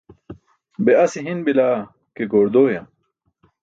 Be ase hin bilaa ke, goor dooyam!